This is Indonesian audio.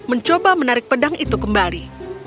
mencoba menarik pedang itu kembali